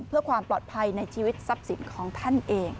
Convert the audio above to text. เพื่อความปลอดภัยในชีวิตทรัพย์สินของท่านเอง